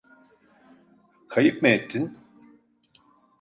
Kayıp mı ettin?